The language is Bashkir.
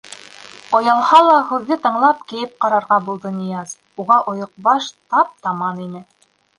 Оялһа ла, һүҙҙе тыңлап, кейеп ҡарарға булды Нияз, уға ойоҡбаш тап-таман ине.